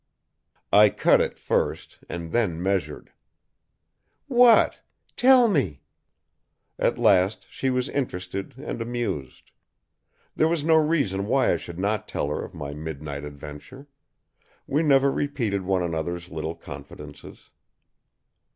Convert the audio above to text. "I cut it first, and then measured." "What? Tell me." At last she was interested and amused. There was no reason why I should not tell her of my midnight adventure. We never repeated one another's little confidences.